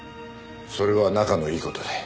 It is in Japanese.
それは仲のいい事で。